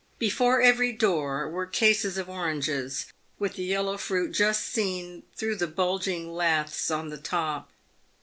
Before every doorway w r ere cases of oranges, with the yellow fruit just seen through the bulging lathes on the top.